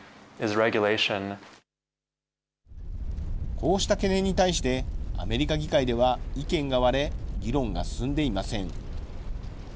こうした懸念に対してアメリカ議会では意見が割れ、議論が進んでいません。